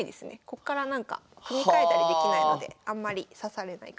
こっからなんか組み替えたりできないのであんまり指されないかなと思います。